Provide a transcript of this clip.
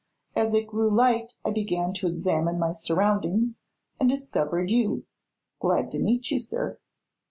As it grew light I began to examine my surroundings, and discovered you. Glad to meet you, sir."